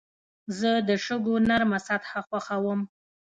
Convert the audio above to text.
زه د شګو نرمه سطحه خوښوم.